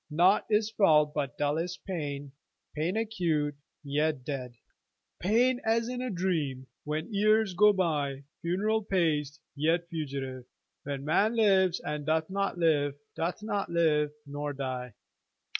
Naught is felt but dullest pain, Pain acute, yet dead; Pain as in a dream, When years go byFuneral paced, yet fugitive, When man lives, and doth not live, Doth not live—nor die.